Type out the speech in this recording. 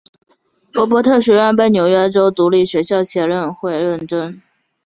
罗伯特学院被纽约州独立学校协会认证。